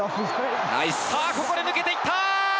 ここで抜けていった！